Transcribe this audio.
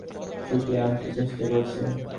নীলু প্রাণপণে তার একটা হাত ছুটিয়ে আনতে চেষ্টা করছে।